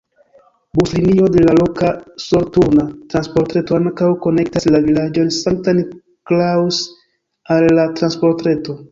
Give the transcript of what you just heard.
Buslinio de la loka soloturna transportreto ankaŭ konektas la vilaĝon Sankt-Niklaus al la transportreto.